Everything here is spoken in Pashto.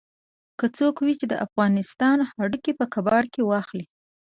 که څوک وي چې د افغانستان هډوکي په کباړ کې واخلي.